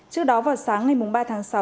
trước đó vào sáng ngày ba tháng sáu